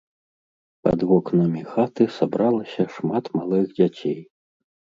Пад вокнамі хаты сабралася шмат малых дзяцей.